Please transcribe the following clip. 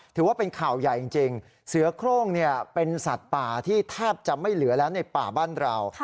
ถือว่าเป็นข่าวใหญ่จริงเสือโครงเป็นสัตว์ป่าที่แทบจะไม่เหลือแล้วในป่าบ้านเรา